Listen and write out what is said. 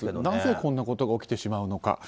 なぜこんなことが起きてしまうのか。